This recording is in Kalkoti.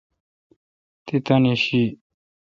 تی تانی شی۔